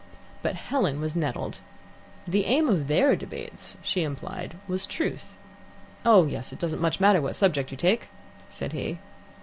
But Helen was nettled. The aim of THEIR debates she implied was Truth. "Oh yes, it doesn't much matter what subject you take," said he.